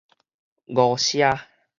誤射